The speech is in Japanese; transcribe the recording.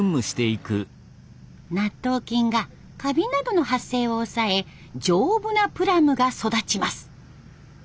納豆菌がカビなどの発生を抑え丈夫なプラムが育ちます。